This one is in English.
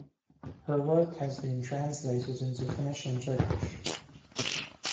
Her work has been translated into Finnish and Turkish.